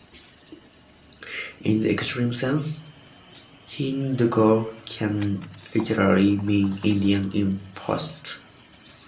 In the extreme sense, Hindko can literally mean "Indian" in Pashto.